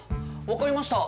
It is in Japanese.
わかりました。